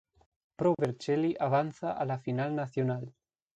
Pro Vercelli avanza a la Final Nacional.